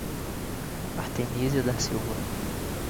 Artenizia da Silva